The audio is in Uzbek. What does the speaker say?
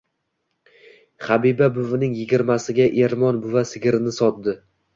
Habiba buvining yigirmasiga Ermon buva sigirini sotdi.